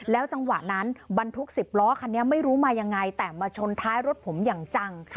จังหวะนั้นบรรทุก๑๐ล้อคันนี้ไม่รู้มายังไงแต่มาชนท้ายรถผมอย่างจัง